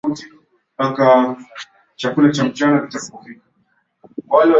Mwandishi Ben Whitaker alitaja kiini hicho aliposema hivi